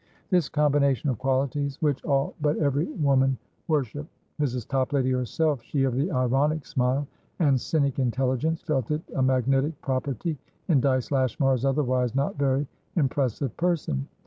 This combination of qualities which all but every woman worship. Mrs. Toplady herself, she of the ironic smile and cynic intelligence, felt it a magnetic property in Dyce Lashmar's otherwise not very impressive person.